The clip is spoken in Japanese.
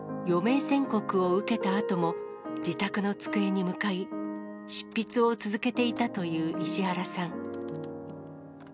余命宣告を受けたあとも自宅の机に向かい、執筆を続けていたという石原さん。